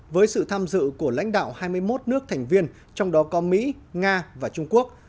với sự tham dự của lãnh đạo hai mươi một nước thành viên trong đó có mỹ nga và trung quốc